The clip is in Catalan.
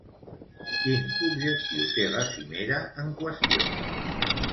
Quin objectiu té la cimera en qüestió?